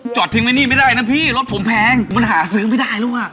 จอดทิ้งไว้นี่ไม่ได้นะพี่รถผมแพงมันหาซื้อไม่ได้แล้วอ่ะ